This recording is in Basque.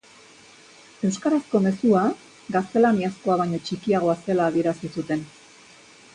Euskarazko mezua gaztelaniazkoa baino txikiagoa zela adierazi zuten.